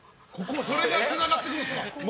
それがつながってくるんですか？